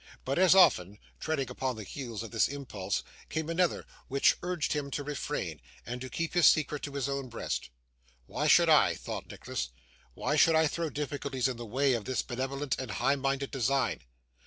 But as often, treading upon the heels of this impulse, came another which urged him to refrain, and to keep his secret to his own breast. 'Why should I,' thought Nicholas, 'why should I throw difficulties in the way of this benevolent and high minded design?